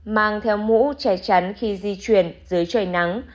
mang theo mũ che chắn khi di chuyển dưới trời nắng